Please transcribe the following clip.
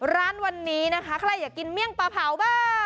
ร้านวันนี้นะคะใครอยากกินเมี่ยงปลาเผาบ้าง